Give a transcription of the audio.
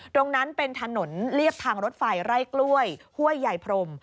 ตรงนั้นเป็นถนนเรียบทางรถไฟไร่กล้วยห้วยใหญ่พรม